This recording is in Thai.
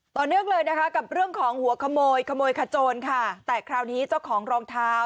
ต่อเนื่องเลยนะคะกับเรื่องของหัวขโมยขโมยขโจรค่ะแต่คราวนี้เจ้าของรองเท้า